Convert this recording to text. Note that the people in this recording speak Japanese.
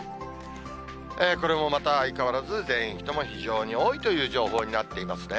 これもまた相変わらず全域とも非常に多いという情報になっていますね。